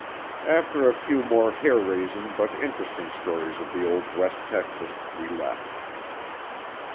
After a few more hair raising but interesting stories of the old west Texas, we left.